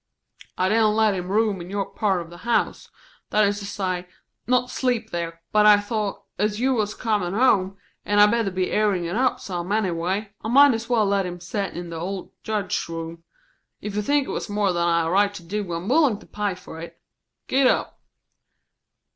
"I didn't let him room in your part of the house; that is to say, not sleep there; but I thought, as you was comin' home, and I better be airin' it up some, anyway, I might as well let him set in the old Judge's room. If you think it was more than I had a right to do, I'm willin' to pay for it. Git up!"